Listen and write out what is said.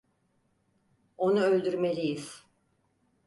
Onu öldürmeliyiz.